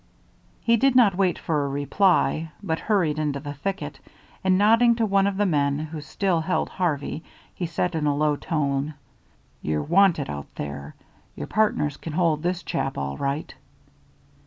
He did not wait for a reply, but hurried into the thicket, and nodding to one of the men who still held Harvey he said in a low tone: "You're wanted out there. Your partners can hold this chap all right."